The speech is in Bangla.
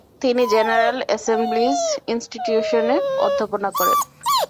তিনি জেনারেল অ্যাসেমব্লিজ ইনস্টিটিউশনে অধ্যাপনা করেন।